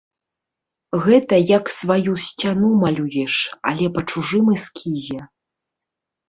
Гэта як сваю сцяну малюеш, але па чужым эскізе.